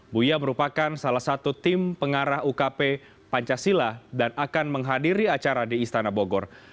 buya merupakan salah satu tim pengarah ukp pancasila dan akan menghadiri acara di istana bogor